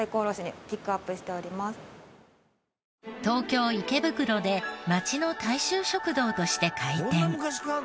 東京池袋で街の大衆食堂として開店。